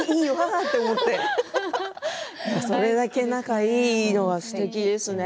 それだけ仲がいいのはすてきですね。